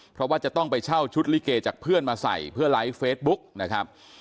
เพราะว่าจะต้องไปเช่าชุดลิเกจากเพื่อนมาใส่เพื่อไลฟ์เฟซบุ๊กนะครับ